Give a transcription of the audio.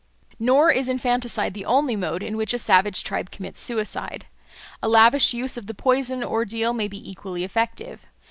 Nor is infanticide the only mode in which a savage tribe commits suicide. A lavish use of the poison ordeal may be equally effective.